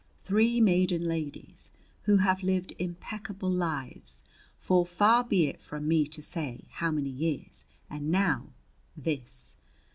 "Three maiden ladies who have lived impeccable lives for far be it from me to say how many years; and now this!